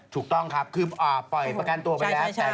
ถูกต้องครับคือปล่อยประกันตัวไปแล้ว